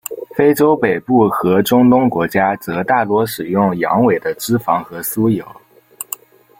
非洲北部和中东国家则大多使用羊尾的脂肪和酥油。